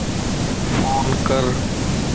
فون ڪر